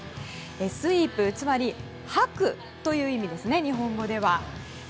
スイープ、つまりはくという意味ですね、日本語では。